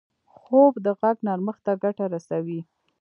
خوب د غږ نرمښت ته ګټه رسوي